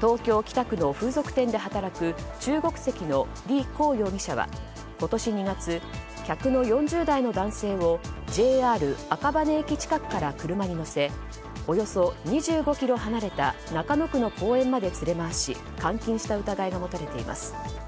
東京・北区の風俗店で働く中国籍のリ・コウ容疑者は今年２月客の４０代の男性をＪＲ赤羽駅近くから車に乗せ、およそ２５ｋｍ離れた中野区の公園まで連れ回し監禁した疑いが持たれています。